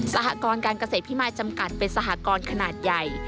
สหกรการเกษตรพิมายจำกัดเป็นสหกรณ์ขนาดใหญ่